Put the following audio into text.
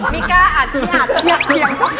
ไม่กล้าอาจที่อาจ